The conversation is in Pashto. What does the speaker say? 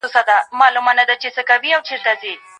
که په ځان باور ولرئ، نو هر څه ممکن دي.